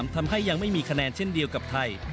ทำให้ยังไม่มีคะแนนเช่นเดียวกับไทย